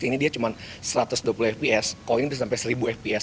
tiga ratus enam puluh ini dia cuma satu ratus dua puluh fps kalau ini bisa sampai seribu fps